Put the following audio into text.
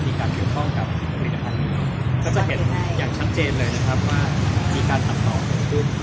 ก็จะเห็นอย่างชัดเจนเลยนะครับว่ามีการทำต่อรูป